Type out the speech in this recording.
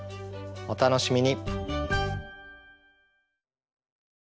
お楽しみに。